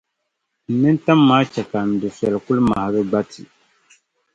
n nintam maa chɛ ka n dufɛli kuli mahigi gbati.